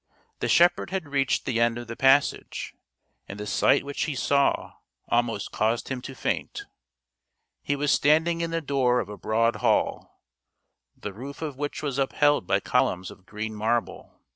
The shepherd had reached the end of the passage, and the sight which he saw almost caused him to faint. He was standing in the door of a broad hall, the roof of which was. upheld by columns of green marble.